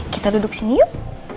kita duduk sini yuk